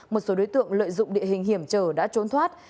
một số đối tượng lợi dụng địa hình hiểm trở đã trốn thoát